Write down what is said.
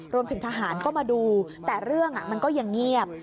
รวมถึงทหารก็มาดูแต่เรื่องมันก็ยังเงียบ